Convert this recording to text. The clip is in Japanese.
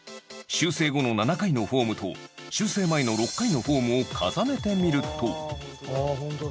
修正後の７回のフォームと修正前の６回のフォームを重ねてみると。